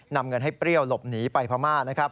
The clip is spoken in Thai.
นำเงินให้เปรี้ยวหลบหนีไปพระมาท